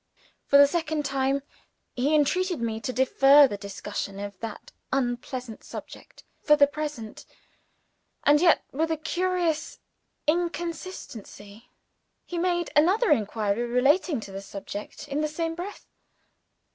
For the second time, he entreated me to defer the discussion of that unpleasant subject for the present and yet, with a curious inconsistency, he made another inquiry relating to the subject in the same breath.